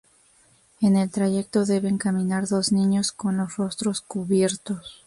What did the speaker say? En el trayecto deben caminar dos niños con los rostros cubiertos.